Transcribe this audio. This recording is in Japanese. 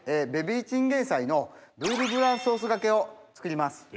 ベビーチンゲン菜のブールブランソースがけを作ります。